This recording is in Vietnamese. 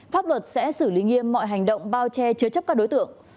pháp luật sẽ xử lý nghiêm mọi hành động bao che chứa chấp các đối tượng